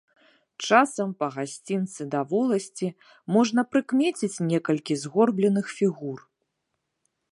Часам па гасцінцы да воласці можна прыкмеціць некалькі згорбленых фігур.